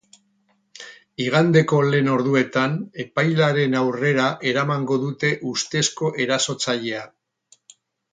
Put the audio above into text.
Igandeko lehen orduetan epailearen aurrera eramango dute ustezko erasotzailea.